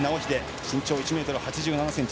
身長１ｍ８７ｃｍ。